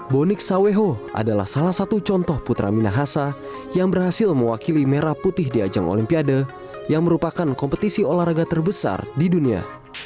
bonik saweho adalah salah satu contoh putra minahasa yang berhasil mewakili merah putih di ajang olimpiade yang merupakan kompetisi olahraga terbesar di dunia